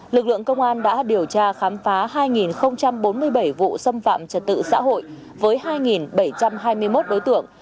lực lượng công an đã điều tra khám phá hai bốn mươi bảy vụ xâm phạm trật tự xã hội với hai bảy trăm hai mươi một đối tượng